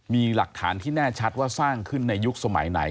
มีหลักฐานที่แน่ชัดว่าสร้างขึ้นในยุคสมัยไหน